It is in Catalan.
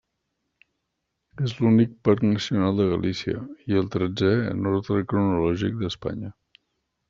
És l'únic Parc Nacional de Galícia, i el tretzè en ordre cronològic d'Espanya.